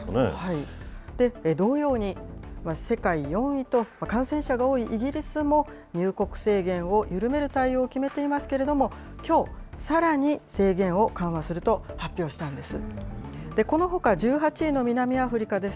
同様に、世界４位と感染者が多いイギリスも、入国制限を緩める対応を決めていますけれども、きょう、さらに制限を緩和すると発表したんです。